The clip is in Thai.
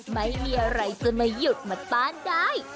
ไม่มีอะไรจะมาหยุดมาต้านได้